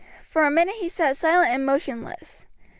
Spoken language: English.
For a minute he sat silent and motionless.